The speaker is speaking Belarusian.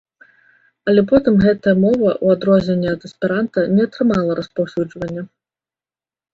Але потым гэтая мова, у адрозненне ад эсперанта, не атрымала распаўсюджвання.